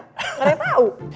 nggak ada yang tau